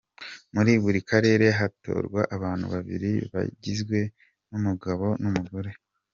Muri buri karere hatorwa abantu babiri bagizwe n’ umugabo n’ umugore.